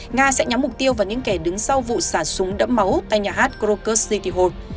nga sẽ nhắm mục tiêu vào những kẻ đứng sau vụ xả súng đẫm máu tại nhà hát krokus sekihall